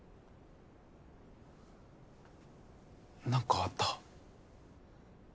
何かあった？